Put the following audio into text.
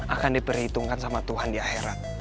akan diperhitungkan sama tuhan di akhirat